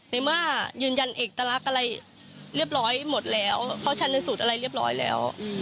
ในเมื่อยืนยันเอกลักษณ์อะไรเรียบร้อยหมดแล้วเขาชันสูตรอะไรเรียบร้อยแล้ว